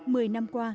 mười năm qua